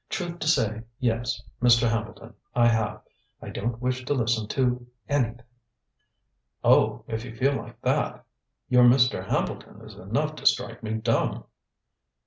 "Truth to say, yes, Mr. Hambleton, I have. I don't wish to listen to anything." "Oh if you feel like that! Your 'Mr. Hambleton' is enough to strike me dumb."